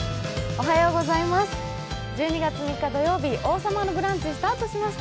おはようございます。